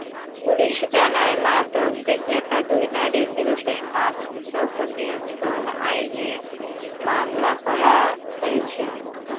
Police জানায়, মাদকবিক্রেতা দুই নারীর বিরুদ্ধেই মাদকদ্রব্য নিয়ন্ত্রণ আইনে মামলা করা হয়েছে।